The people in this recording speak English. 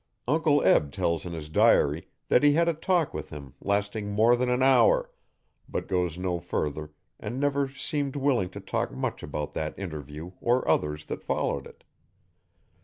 Uncle Eb tells in his diary that he had a talk with him lasting more than an hour, but goes no further and never seemed willing to talk much about that interview or others that followed it.